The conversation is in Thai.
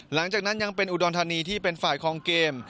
หลังจากนั้นยังเป็นอุดรธานีที่เป็นฝ่ายคลองเกม